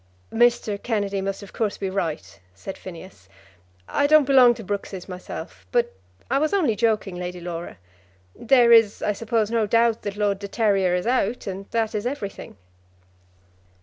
"Mr. Kennedy must of course be right," said Phineas. "I don't belong to Brooks's myself. But I was only joking, Lady Laura. There is, I suppose, no doubt that Lord de Terrier is out, and that is everything."